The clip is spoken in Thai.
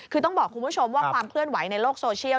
คือต้องบอกคุณผู้ชมว่าความเคลื่อนไหวในโลกโซเชียล